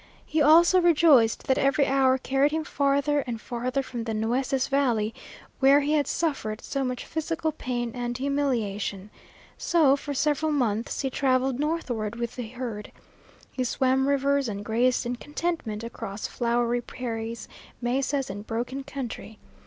He also rejoiced that every hour carried him farther and farther from the Nueces valley, where he had suffered so much physical pain and humiliation. So for several months he traveled northward with the herd. He swam rivers and grazed in contentment across flowery prairies, mesas and broken country.